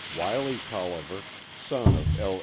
Wiley Tolliver, son of L.